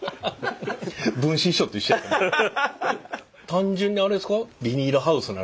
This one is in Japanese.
単純にあれですか。